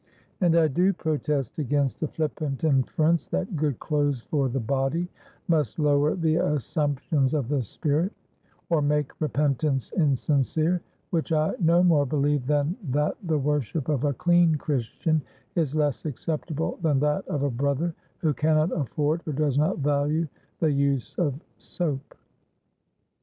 And I do protest against the flippant inference that good clothes for the body must lower the assumptions of the spirit, or make repentance insincere; which I no more believe than that the worship of a clean Christian is less acceptable than that of a brother who cannot afford or does not value the use of soap.